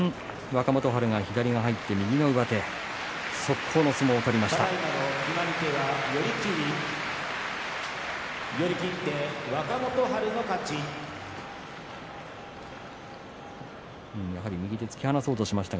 若元春が左が入って右の上手速攻の相撲を取りました。